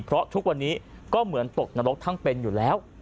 เพราะทุกวันนี้ก็เหมือนตกนรกทั้งเป็นอยู่แล้ว